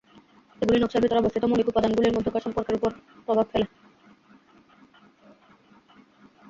এগুলি নকশার ভেতরে অবস্থিত মৌলিক উপাদানগুলির মধ্যকার সম্পর্কের উপর প্রভাব ফেলে।